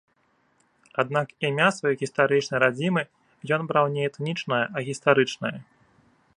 Аднак імя сваёй гістарычнай радзімы ён браў не этнічнае, а гістарычнае.